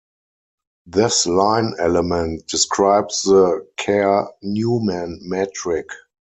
This line element describes the Kerr-Newman metric.